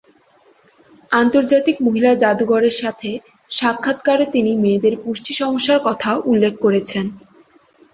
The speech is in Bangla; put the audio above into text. আন্তর্জাতিক মহিলা জাদুঘর এর সাথে সাক্ষাৎকারে তিনি মেয়েদের পুষ্টি সমস্যার কথা উল্লেখ করেছেন।